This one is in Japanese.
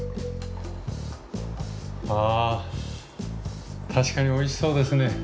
あ確かにおいしそうですね。